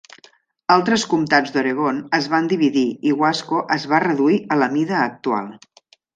Altres comtats d'Oregon es van dividir i Wasco es va reduir a la mida actual.